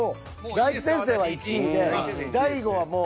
大吉先生は１位で大悟はもう。